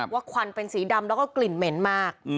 ควันเป็นสีดำแล้วก็กลิ่นเหม็นมาก